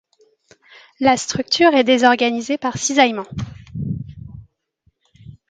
La structure est désorganisée par cisaillement.